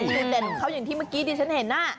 จุดเด่นของเขาอย่างที่เมื่อกี้ดิฉันเห็น